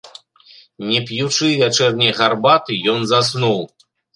Не п'ючы вячэрняй гарбаты, ён заснуў.